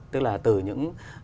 tức là từ những